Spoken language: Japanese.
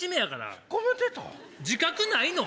自覚ないの？